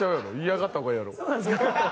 嫌がった方がええやろ。